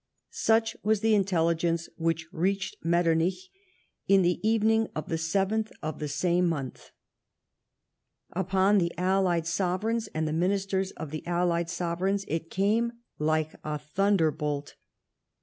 Such was the intelligence which reached Metternich on the evening of the 7th of the same month. Upon the allied sovereigns, and the ministers of tlie allied sovereigns, it came like a thunderbolt.